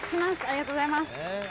ありがとうございます。